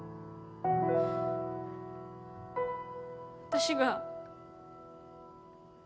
私が。